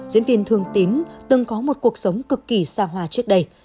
diễn viên thương tín từng có một cuộc sống cực kỳ xa hoa trước đây